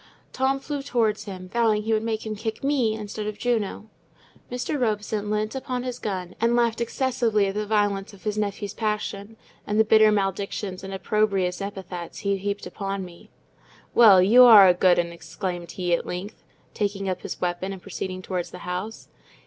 Tom flew towards him, vowing he would make him kick me instead of Juno. Mr. Robson leant upon his gun, and laughed excessively at the violence of his nephew's passion, and the bitter maledictions and opprobrious epithets he heaped upon me. "Well, you are a good 'un!" exclaimed he, at length, taking up his weapon and proceeding towards the house.